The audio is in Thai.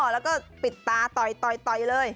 อ้อแล้วก็ปิดตาต่อยทยวดิเลย